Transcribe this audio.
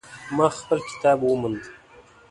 ما خپل کتاب وموند